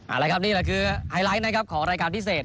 เอาละครับนี่แหละคือไฮไลท์นะครับของรายการพิเศษ